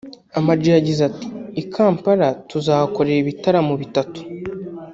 Ama G yagize ati “I Kampala tuzahakorera ibitaramo bitatu